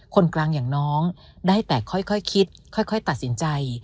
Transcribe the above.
คนกลางอย่างน้องได้แต่ค่อยคิดค่อยตัดสินใจ